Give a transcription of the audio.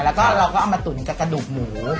เราก็เอามาตุ๋นกับกระดูกหมู